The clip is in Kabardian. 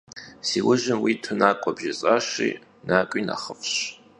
Si vujım vuitu nak'ue bjjês'aşi, nak'ui nexhıf'ş.